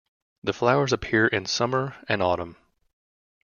The flowers appear in summer and autumn.